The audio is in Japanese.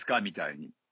みたいに。